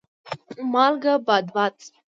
مالګه باد باد شوه.